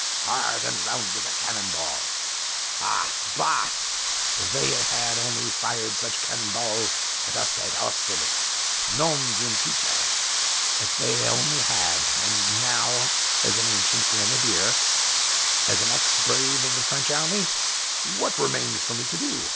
hard and round as a cannon ball Ah, bah! if they had only fired such cannon balls at us at Austerlitz nom d'une pipe! if they only had! And now, as an ancient grenadier, as an ex brave of the French army, what remains for me to do?